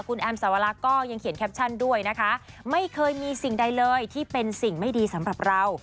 คุณแอมสวรรคก็ยังเขียนแคปชั่นด้วยนะคะไม่เคยมีสิ่งใดเลยที่เป็นสิ่งไม่ดีสำหรับเรา